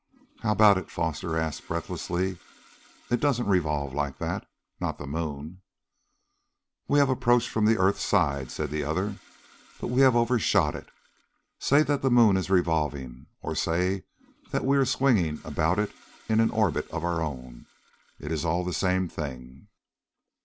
"How about it?" Foster asked breathlessly. "It doesn't revolve like that not the moon!" "We have approached from the earth side," said the other, "but we have overshot it. Say that the moon is revolving, or say that we are swinging about it in an orbit of our own it is all the same thing."